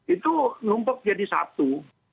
itu numpuk jadi satu